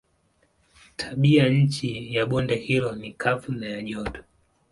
Tabianchi ya bonde hilo ni kavu na ya joto.